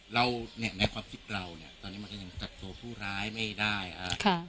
เราเนี่ยในความคิดเราเนี่ยตอนนี้มันก็ยังจับตัวผู้ร้ายไม่ได้ฮะ